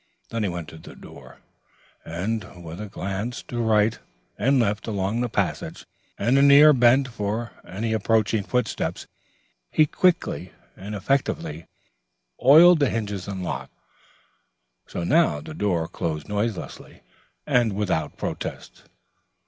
Then he went to the door, and, with a glance to right and left along the passage, and an ear bent for any approaching footstep, he quickly and effectually oiled the hinges and lock, so that the door closed noiselessly and without protest.